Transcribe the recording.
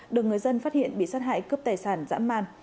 được người dân phát hiện bị sát hại cướp tài sản dã man